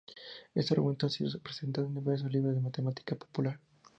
Este argumento ha sido presentado en diversos libros de matemática popular.